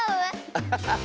アハハハ！